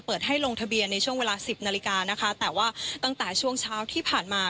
เปิดให้ลงทะเบียนในช่วงเวลาสิบนาฬิกานะคะแต่ว่าตั้งแต่ช่วงเช้าที่ผ่านมา